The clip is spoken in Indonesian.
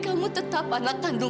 kamu tetap anakku